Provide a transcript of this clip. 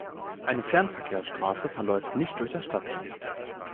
Eine Fernverkehrsstraße verläuft nicht durch das Stadtgebiet.